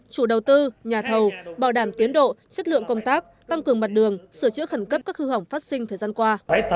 chủ đầu tư nhà thầu bảo đảm tiến độ chất lượng công tác tăng cường mặt đường sửa chữa khẩn cấp các hư hỏng phát sinh thời gian qua